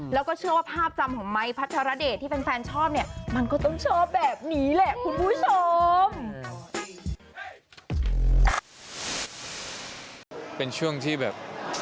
แล้วก็เชื่อว่าภาพจำของไมค์พัชรเดชที่แฟนชอบ